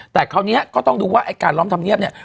แต่คราวนี้ก็ต้องดูว่าไอ้การล้อมธรรมเนียบเนี่ย